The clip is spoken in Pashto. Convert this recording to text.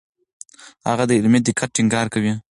هغه د علمي دقت ټینګار کوي.